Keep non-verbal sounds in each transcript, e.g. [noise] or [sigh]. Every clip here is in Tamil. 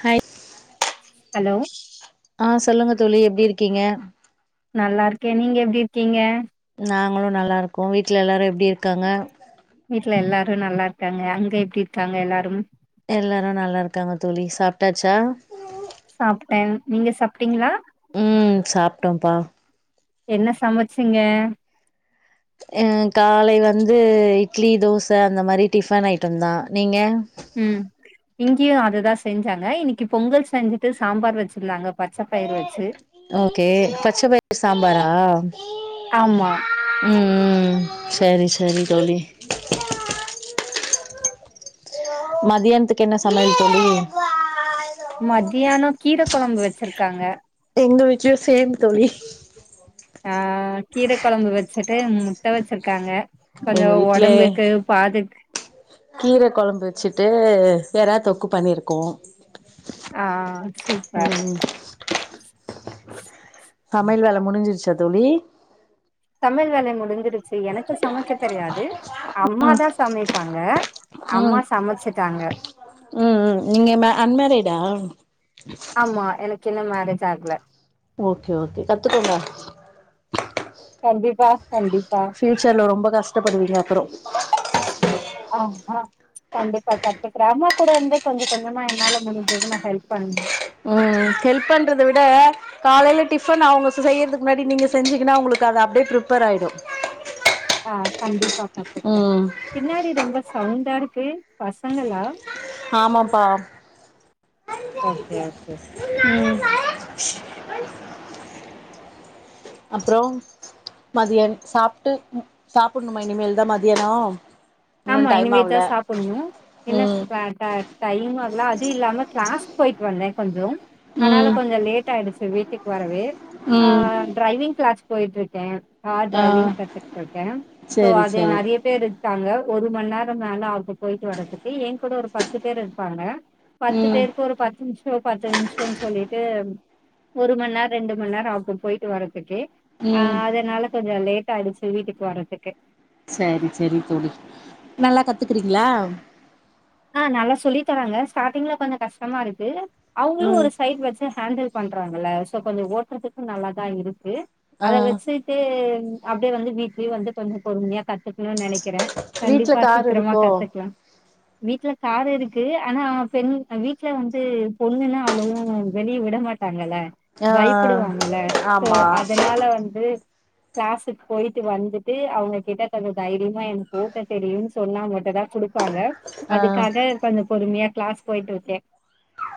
ஹாய் ஹலோ ஆ சொல்லுங்க தோழி எப்படி இருக்கீங்க நல்லா இருக்கேன் நீங்க எப்படி இருக்கீங்க நாங்களும் நல்லா இருக்கோம் வீட்ல எல்லாரும் எப்படி இருக்காங்க வீட்ல எல்லாரும் நல்லா இருக்காங்க அங்க எப்படி இருக்காங்க எல்லாரும் எல்லாரும் நல்லா இருக்காங்க தோழி சாப்ட்டாச்சா சாப்ட்டேன் நீங்க சாப்ட்டீங்களா ம் சாப்ட்டோம்ப்பா என்ன சமைச்சிங்க ஆ காலை வந்து இட்லி தோசை அந்த மாரி டிஃபன் ஐட்டம் தான் நீங்க ம் இங்க முக்கியும் அததுதான் செஞ்சாங்க இன்னைக்கு பொங்கல் செஞ்சிட்டு சாம்பார் வச்சிருலாங்க பச்சை பயிரூ வச்சு ஓகே பச்ச பயிறு சாம்பாரா ஆமா ம் ம் ம் சரி சரி தோழி மதியத்துக்கு என்ன சமயல் தோழி மத்தியானம் கீர குழம்பு வச்சிருக்காங்க எங்க வீட்லயும் சேம் தோழி ஆ கீர குழம்பு வச்சுட்டு முட்டை வச்சிருக்காங்க எங்க கொஞ்சம் உடம்புக்கு பாது கீரை குலம்பு வச்சுட்டு எராதொக்கு பண்ணிருக்கோம் ஆ சூப்பர் சமையல் வேலை முடிஞ்சிருச்சா தோழி சமயல் வேலை முடிஞ்சிருச்சு எனக்கு சமைக்க தெரியாது அம்மாதான் சமைப்பாங்க ம் அம்மா சமைச்சுட்டாங்க ம் ம் நீங்க அன்மேரிடா ஆமா எனக்கு என்னம [unintelligible] ஓகே ஓகே கத்துக்கோங்க கண்டிப்பா கண்டிப்பா ஃபியூச்சர்ல ரொம்ப கஷ்டப்படுவீங்க அப்பறோ [unintelligible] ஆஹஹா கண்டிப்பா கத்துக்கிர அம்மா கூட வந்து கொஞ்சம் கொஞ்சமா என்னால முடிஞ்சது நான் ஹெல்ப் பண் உம் ஹெல்ப் பண்றத விட காலைல டிஃபன் அவங்க செய்கிறதுக்கு முன்னாடி நீங்கள் செஞ்சிங்கன்னா உங்களுக்கு அது அப்படியே ப்ரிப்பேர் ஆயிடும் ஆஹ் கண்டிப்பா கத்துக்கறேன் ம் பின்னாடி ரொம்ப சவுண்டா இரு க்கு பசங்களா ஆமாப்பா ஓகே ஓகே உம் [unintelligible] அப்பறோ மதியாம் சாப்ட்டு சாப்படணுமா இனிமேல் தான் மதியானோ இன்னு ஆமா டைம் ஆவல இனிமேட்தான் சாப்பிடணும் என்ன ம் டை டை ம் அது இல்லாம கிளாஸ் போயிட்டு வந்தேன் கொஞ்சோ ஆனால ம் கொஞ்சோ லேட் ஆயிடுச்சு வீட்டுக்கு வரவே ம் அஹ் ட்ரைவிங் கிளாஸ் போயிட்டு இருக்கேன் கார் ஆ டிரைவிங் கத்துகிட்டுருக்கேன் சோ சேரி அது சேரி நெறைய பேர் இருக்காங்க ஒரு மண் நேரம் தானடா போயிட்டு வாட குட்டி என் கூட ஒரு பத்து பேரு இருப்பாங்க பத்து ம் பேருக்கு ஒரு பத்து பத்து நிமிஷம்னு சொல்லிட்டு ஒரு மண் நேரோ ரெண்டு மண் நேரோ அகும் போயிட்டு வரறதுக்கு ம் ஆஹ் அதனால கொஞ்சம் லேட் ஆயிடுச்சு வீட்டுக்கு வர்றதுக்கு செரி செரி தோழி நல்ல கத்துக்குறீங்களா ஆஹ் நல்லா சொல்லி தராங்க ஸ்டார்ட்டிங்ல கொஞ்சோ கஷ்டமா இருக்கு அவ்ங்ளு ம் ஒரு சைட் வச்ச ஹேண்டில் பண்றாங்கல சோ கொஞ்சோ ஓட்றதுக்கு நல்லாதா இருக்கு ஆ அத வெச்சிட்டு அப்டியே வந்து வீ்ட்லயே வந்து கொஞ்சோ பொரும்யா கத்துக்ணுன் நென கிறே வீட்ல கண்டிப்பா கார் சீக்ரமா இருக்கோ கத்துக்லா வீட்டு்ல கார் இருக்கு ஆனா பெண் வீட்ல வந்து பொண்ணுன்னா அவ்ளவு வெளிய விட மாட்டாங்கல ஆ பயப்புடுவாங்கல சோ ஆமா அதனால வந்து கிளாஸ்க்கு போயிட்டு வந்துட்டு அவுங்க கிட்ட தந்த தைரியமா எனக் கூட்ட தெரியுன் சொன்னா மட்டுதா குடுப்பாங்க ஆ அதுக்காக கொஞ்சோ பொறும்யா கிளாஸ் போய்ட் ருக்கே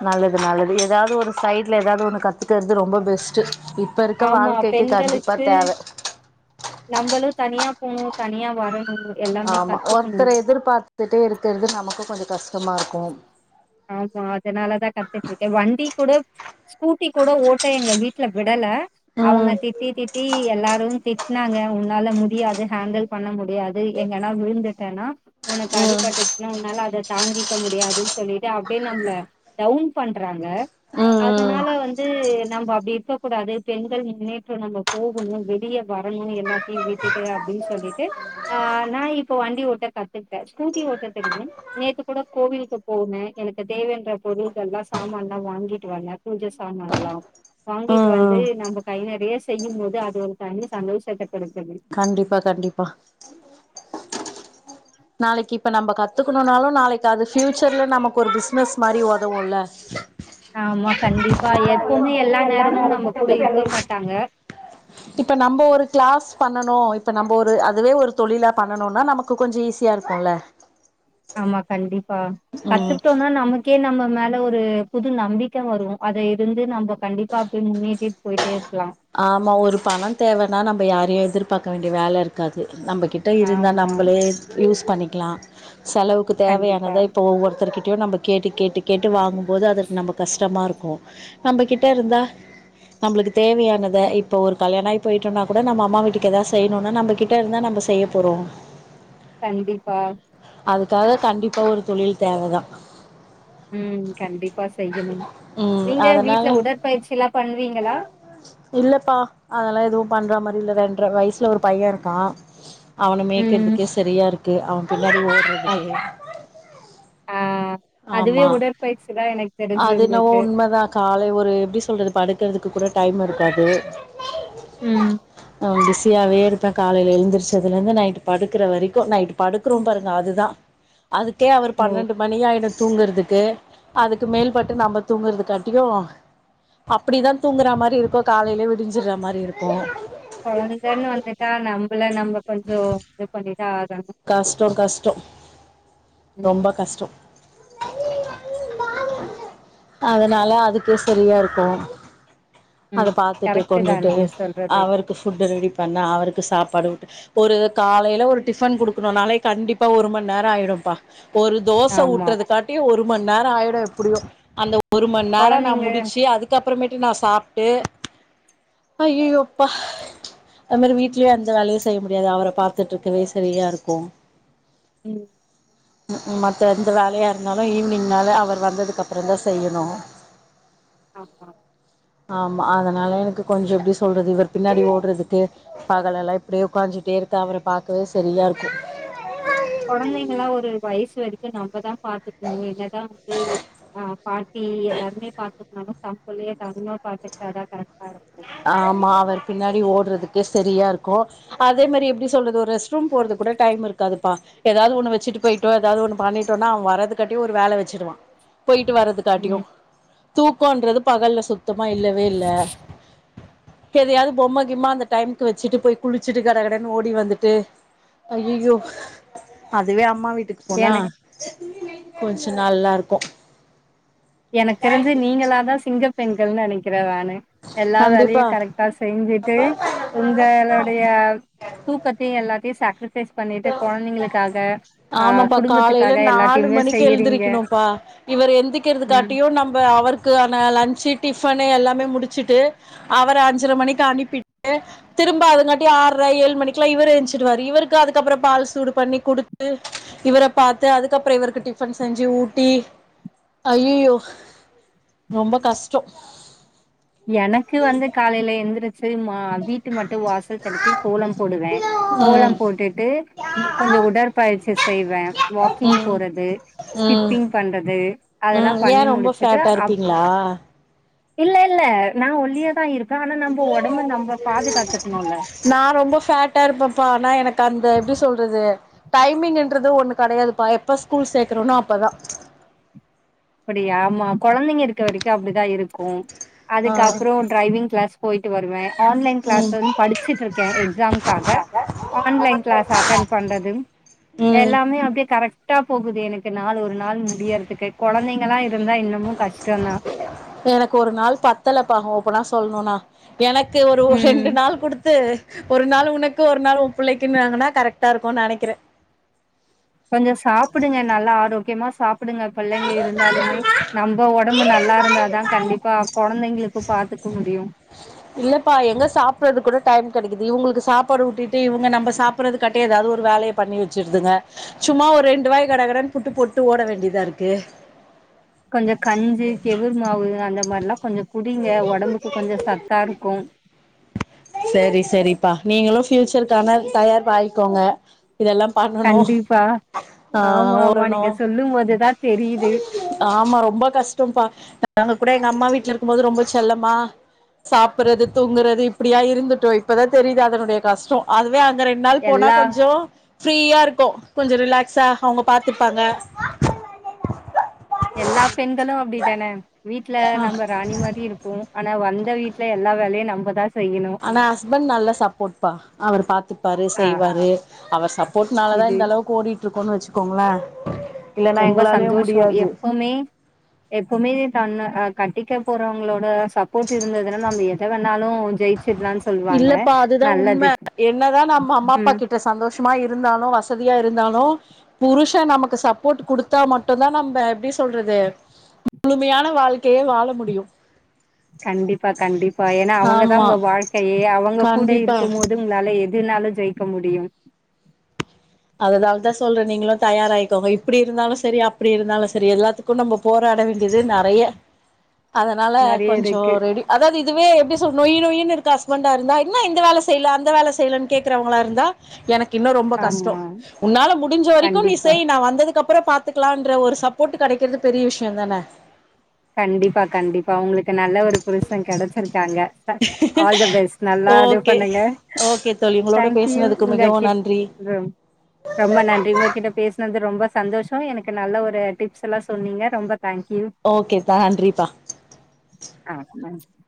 நல்லது நல்லது ஏதாவது ஒரு சைட்ல ஏதாவது ஒன்னு கத்துக்கற்து ரொம்ப பெஸ்ட் இப்ப ருக்க ஆமா வாழ்க்கைக்கு கண்டிப்பா தேவ நம்பளு தனியா போணு தனியா வரனு ஆமா ஒருத்தர எதிர்பாத்துட்டே ருக்கிறது நமக்கு கொஞ்சோ கஷ் த்துமா ருக்கு ஆமா அதனாலதா கத்துட்ருக்கே வண்டி கூட ஸ்கூட்டி குட ஓட்ட எங்க வீட்ல விடல அவுங்க ம் திட்டி திட்டி எல்லாரு திட் நாங்க உன்னால முடியாது ஹேண்டில் பண்ண முடியாது எங்கனா விழுந்துட்டேன்னா ஒனக் ம் ம் அடிபட்டுச் என்னால அத தாங்கிக்க முடியாதுன் சொ சொல்லிட்டு அப்டியே நம்ள டௌன் பண்றாங்க ம் ம் அதனால வந்து நம்ம அப்டி ருக்க குடாது பெண்கள் முன்னேற்றம் நம்ம போகுணு வெளிய வரணு எல்லாத்தயு விட்டுட்டு அப்டின் சொல்லிட்டு அஹ் நா இப்ப வண்டி ஓட்ட கத்துக்ட்டே ஸ்கூட்டி ஓட்ட தெரியு நேத்து குட கோவில்க்கு போனே எனக்கு தேவன்ற பொருள்கல்லா சாமான்ல்லா வாங்கிட்டு வந்தே பூஜ சாமான் லா வாங்கிட்டு வந்து ம் நம்ம கை நெறய செய்யு போது அது ஒரு தனி சந்தோஷ்த்த கண்டிப்பா கண்டிப்பா நாளக்கி ப்ப நம்ப கத்துக்கணுனாலு நாளக் அது ஃபியூச்சர்ல நமக் கொரு பிசினஸ் மாரி ஒதவுல்ல ஆமா கண்டிப்பா ஏ எல்லா நேரமு மாட்டாங்க இப்ப நம்ப ஒரு கிளாஸ் பண்ணனு இப்ப நம்ப ஒரு அதுவே ஒரு தொழிலா பண்ணுனோம்னா நமக்கு கொஞ்சோ ஈஸ்யா ருக்குல்ல ஆமா கண்டிப்பா கத்துக்ட்டோம்னா நமக் க்கே நம்ம மேல ஒரு புது நம்பிக்க வரு அத இருந்து நம்ப கண்டிப்பா அப்டியே முன்னேர்ட்டே போய்ட்டே ருப் ஆமா ஒரு பணோ தேவனா நம்ப யாரயு எதிர்பாக்க வேண்டிய வேல ருக்காது நம்பகிட்ட இருந்தா ஆமா. நம்பளே யூஸ் பண்ணிக்லா செலவுக்கு கண்டிப்பா, தேவயானத இப்ப ஒவ்வொருத்தர்க்கிட் நம்ப கேட்டு கேட்டு கேட்டு வாங்கும்போது அதுக்கு நம்பம கஷ்டமாக இருக்கும். நம்மகிட்ட இருந்தா நம்மளுக்கு தேவையான. யானத இப்போ ஒரு கல்யாண ஆகி போயிட்டோன்னா கூட நம்ம அம்மா வீட்டுக்கு எதாவது செய்யணும்னா நம்ம கிட்ட இருந்தால் நம்ம செய்ய போறோம். கண்டிப்பா. அதுக்காக கண்டிப்பா ஒரு தொழில் தேவைதான். உஹம் கண்டிப்பா செய்யனும். ம் நீங்க வீட்டுல அதனால உடற்பயிற்சி எல்லாம் பண்ணுவீங்களா. இல்லப்பா அதெல்லாம் எதுவும் பண்ற மாதிரி இல்ல ரெண்ர வயசுல ஒரு பையன் இருக்கா. அவனை ம். மேட்கறதுக்கே சரியா இருக்கு. க்கு அவ. பின்னாடியே அப் ஓடுறதுக்கு. ஆ. அதுவே ஆமா உடற்பயிற்சி தான் எனக்கு தெரிஞ்சு அது என்னவோ உங்களுக்கு. உண்மைதா காலை ஒரு எப்டி சொல்றது படுக்குற. அதுக்கு கூட டைம் இருக்காது. ம். உ மிஸ் பிசியாவே இருப்பே காலையில எழுந்திரச்சதுல இருந்து நைட் படுக்கற வரைக்கும் நைட் படுக்குறேம் பாருங்க அதுதா அதுக்கே அவர் ஓ! பன்னெண்டு மணி ஆயிடு. தூங்குறதுக்கு அதுக்கு மேல்பட்டு நம்ம தூங்குறதுக்காட்டியு அப்டிதா தூங்குற மாரி இருக்கோ காலையில விடிஞ்சிடுற மாரி இருக்கோ கொழந்தன்னு வந்துட்டா நம்மள நம்ம கொஞ்சோ இது பண்ணி. கஷ்டோ கஷ்டோ ம். ரொம்ப கஷ்டோ அதனால அதுக்கே சரியா இருக்கோ. அத ம். பாத்துட்டு கரெக்ட்டு தான் கொண்டுட்டு நீங்க சொல்றது. அவருக்கு ஃபுட் ரெடி பண்ண அவருக்கு சாப் படவுட்டு ஒரு காலையில ஒரு டிஃபன் குடு நாலே கண்டிப்பா ஒரு மணி நேரோ ஆயிடும்பா. ஒரு தோச ஆமா. ஊட்டுறது காட்டியு ஒரு மணி நேரோ ஆயிடு எப்டியு அந்த ஒர் ஒரு மணி நேரோ நா குழந்தைங்க முடிச்சு அதுக்கப் அப்புறமேட்டு நா சாப்புட்டு ஐய்ஐய்யோப்பா அது மாரி வீட்லயு எந்த வேலையு செய்ய முடியாது அவர பாத்துட்டுருக்கவே சரியா இருக் கு. உம். க்உம் மத்த எந்த வேலையா இருந்தாலு ஈவினிங்மேல அவர் வந்ததுக்கு அப்புறம் தா செய்யணு ஆமா. ஆமா அதனால எனக்கு கொஞ்சோ எப்டி சொல்றது இவர் பின்னாடி ஓடுறதுக்கு பகலெல்லா இப்டியே உக்காஞ்சிட்டே இருக்க அவர பாக்கவே சரியா இருக். [unintelligible] கொழந்தைங்கல்லா ஒரு வயசு வரைக்கும் நம்மதா பாத்துக்கணு என்னதா வந்து ஹ பாட்டி எல்லாருமே பாத்து நம்ம தம்புள்ளயே நம்மலே பாத்துக்கிட்டாதா கரெக்டா இருக்கும். ஆமா அவர் பின்னாடி ஓடுறதுக்கே சரியா இருக்கோ அதே மாரி எப்டி சொல்றது ஒரு ரெஸ்ட்ரூம் போறது. கூட டைம் இருக்காதுப்பா ஏதாவது ஒண்ணு வெச்சுட்டு போயிட்டோ ஏதாவது ஒண்ணு பண்ணிட்டோனா அவே வர்றது காட்டியோ ஒரு வேல வெச்சுடுவான் போயிட்டு வர்றது காட்டியு ம் தூக்கன்றது பகல்ல சுத் சுத்தமா இல்லவே இல்ல எதையாது பொம்ம கிம்மா அந்த டைமுக்கு வெச்சுட்டு போய் குளிச்சுட்டு கட கடன்னு ஓடி வந்துட்டு ஐயியோ அதுவே அம்மா வீட் வீட்டுக்கு போனா என கொஞ்சோ நல்லா இருக்கும் எனக்கு தெரிஞ்சு நீங்களாதா சிங்க பெண்கள்னு நெனைக்கிற நானு எல்லா வேலையு கண்டிப்பா கரெக்டா செஞ்சுட்டு உங்க ளுடைய தூக்கத்தையு எல்லாத்தையு சாக்கரிஃபைஸ் பண்ணிட்டு கொழந்தைங்களுக்காக அ ஆமாப்பா காலையில குடும்பத்துக்காக நாலு எல்லாத்தையுமே மணிக்கு செய்யுறீங்க இதுக்காட்டியோ நம்ப அவருக்கான லன்ஞ்சு டிஃபன் எல்லாமே முடித் ச்சிட்டு அவர அஞ்சர மணிக்கு அனுப்பிட்டு திரும்ப அதுங்காட்டி ஆறர ஏழு மணிக்குலா இவரு ஏஞ்சிடுவாரு இவருக்கு அதுக்கப்புறோ பால் சூடு பண்ணி குடுத்து இவர பாத்து அதுக்கப்புறோ இவருக்கு டிஃபன் செஞ்சு ஊட்டி ஐயய்யோ ரொம்ப கஷ்டோ எனக்கு வந்து காலைல எந்துரு சரிமா வீட்டு மட்டோ வாசல் தலக்கி கோலம் போடுவ ம் கோலம் போட்டுட்டு கொஞ்சோ உடற்பயிற்சி செய்வ வாக்கிங் ம் போறது ம் ஸ்கிப்பிங் பண்றது அதெல்லா ம் பண்ணி ஏன் ரொம்ப முடிச்சுட்டு ஃபேட்டா அப் இருப்பீங்களா இல்ல இல்ல நா ஒல்லியா தா இருப் நா ரொம்ப ஃபேட்டா இருப்பேன்ப்பா ஆனா எனக்கு அந்த எப்டி சொ சொல்றது டைமிங் என்றது ஒண்ணு கடையாது பா எப்ப ஸ்கூல் சேர்க்கறோனோ அப்பதா அப்படியா ஆமா கொழந்தைங்க இருக்க வரைக்கோ அப்டிதா இருக்கோ ஆ அதுக்க அப்புறோ ட்ரைவிங் கிளாஸ் போய் வருவே ஆன்லைன் கிளாஸு ம் வந் படிச்சுட்டு இருக்க எக்ஸாம்காக ஆன் லைன் கிளாஸ் அட்டன் பண்றது ம் எல்லாமே அப்டியே கரக்ட் கரக்டா போகுது எனக்கு நாலு ஒரு நாள் முடியறதுக்கு கொழந்தைங்களா இருந்தா இன்னமு கஷ்டோந்தா ப்பனா சொல்ணும்னா எனக்கு ஒரு ம் ரெண்டு நாள் குடுத்து ஒரு நாள் உனக்கு ஒரு நாள் உ பிள்ளைக்குன்னாங்கனா கரெக்ட்டா இருக்கோ நெனைக்குற கொஞ்சோ சாப்புடுங்க நல்லா ஆரோக்கியமா சாப் ப்படுங்க பிள்ளைங்க இருந்தாலுமே நம்ம ஒடம்பு நல்லா இருந்தாதா கண்டிப்பா கொழந்தைங்களுக்கு பாத்துக்க முடியு இல்லப்பா எங்க சாப்பிறது கூட டைம் கிடைக்குது இவுங்குளுக்கு சாப்பாடு ஊட்டிட்டு இவுங்க நம்ம சாப்பிறதுக்காட்டியோ ஏதாவது ஒரு வேலைய பண்ணி வெச்சிருதுங்க சும்மா ஒரு ரெண்டு வாய் கட கடனு புட்டு போட்டு ஓட வேண்டியதா இருக்கு கொஞ்சோ கஞ்சு கெவுரு மாவு அந்த மார்லா கொஞ்சோ குடிங்க ஒடம்புக்கு கொஞ்சோ சத்தா இருக்கோ சரி சரிப்பா நீங்களோ ஃபியூச்சருக்கான தயார்ஆயிக்கோங்க இதெல்லா பண்ணணோ கண்டிப்பா ஆ ஆமா ஆமா ஓரணோ நீங்க சொல்லும் போதுதா தெரியுது ஆமா ரொம்ப கஷ்டோ பா நாங்க கூட நம்ம வீட்ல இருக்கும்போது ரொம்ப செல்லமா சாப்றது தூங்குறது இப் அப்படியா இருந்துட்டோ இப்பதா தெரியுது அதனுடைய கஷ்டோ அது வே அங்க ரெண் நாள் போனா எல்லா கொஞ்சோ ஃப்ரீயா இருக்கோ கொஞ்சோ ரிலாக்ஸா அவுங்க பாத்துப்பாங்க எல்லா பெண்களு அப்டிதானே வீட்ல ஆ நம்ம ராணி மாரி இருப்போ ஆனா வந் த வீட்ல எல்லா வேலையு நம்பதா செ ஆனா ஹஸ்பண்ட் நல்ல சப்போட் பா அவரு பாத்துப்பாரு ஆ செய்வாரு அவர் சப்போர்ட்னாலதா இது இந்த அளவுக்கு ஓடிட்ருக்கோன்னு வச்சுக் கோங்கள ரொம்ப சந்தோஷ எப்போமே எப்போமே தன்ன அக் கட்டிக்க போறவங்களோட ஸ் சப்போர்ட் இருந்ததுன நம்ம எத வேணாலு ஜெய்ப் இல்லப்பா அதுதா உண்ம என்னதா நம்ம அம்மா அப்பா ம் கிட்ட சந்தோஷமா இருந்தாலு வச ததியா இருந்தாலு புருஷ நமக்கு சப்போர்ட் குடுத்தா மட்டுந்தா நம்ப எப்டி சொல்றது முழுமையான வாழ்க்கையே வாழ முடியு கண்டிப்பா கண்டிப்பா ஏன்னா அவங்க தா ஆமா உங்க வாழ்க் கையே அவங்க கூட கண்டிப்பா இருக்கு போது உங்களால எதுனாலு ஜெய்க்க முடியு அதனாலதா சொல்றே நீங்களு தயாராய்க்கோங்க இப்டி இருந்தாலு சரி அப்டி இருந்தாலு சரி எல்லாத்துக்கு நம்ம போராட வேண்டியது நெறைய அதனால நெறைய கொஞ்சோ இருக்கு ரெடி அதாவது இதுவே ப்டி சொல்னு நொய்யி நொய்யின்னு இருக்க ஹஸ்பண்டா இருந்தா இன்னு இங்க வேல செய்ல அந்த வேல செய்லனு கேக்குறவங்களா இருந்தா எனக் இன்னு ரொம்ப கஷ்டோ ஆமா உன்னால முடிஞ்ச வரைக்கும் நீ கண்டிப்பா செய் நா வந்ததுக் கப்புறோ பாத்துக் கலான்ற ஒரு சப்போட்டு கெடைக்கறதுக் பெரிய விஷ்யந்தான கண்டிப்பா கண்டிப்பா உங்களுக்கு நல்ல ஒரு புருஷ கெடைச்சிருக் காங்க [unintelligible] ஆல் த பெஸ்ட் நல்லா இது ஓகே பண்ணுங்க ஓகே தோழி உங்களோட தேங்க் யூ பேசுனதுக்கு மிகவு உங்ககிட் நன்றி ரொம் ரொம்ப நன்றி உங்க கிட்ட பேசினது ரொம்பஸ் சந்தோஷோ எனக்கு நல்ல ஒரு டிப்ஸ் எல்லா சொன்னீங்க ரொம்பத் தேங்க்யூ. த நன்றிப்பா ஆ, [unintelligible]